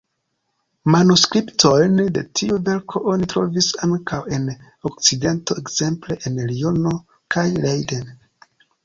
Manuskriptojn de tiu verko oni trovis ankaŭ en Okcidento, ekzemple en Liono kaj Leiden.